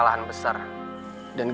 loh kok bisa gitu sih